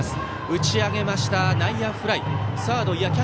打ち上げました、内野フライ。